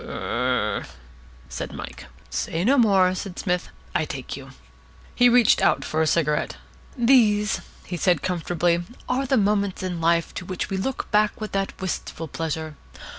"Ur r," said Mike. "Say no more," said Psmith. "I take you." He reached out for a cigarette. "These," he said, comfortably, "are the moments in life to which we look back with that wistful pleasure.